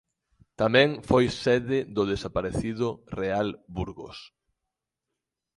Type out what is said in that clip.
Tamén foi sede do desaparecido Real Burgos.